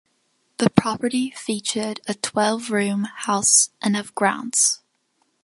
The property featured a twelve-room house and of grounds.